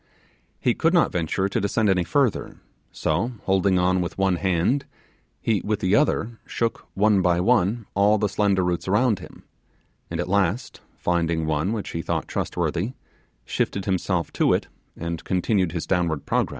He could not venture to descend any further; so holding on with one hand, he with the other shook one by one all the slender roots around him, and at last, finding one which he thought trustworthy, shifted him self to it and continued his downward progress.